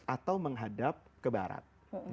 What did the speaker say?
atau menghadap ke barat